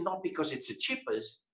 bukan karena itu lebih murah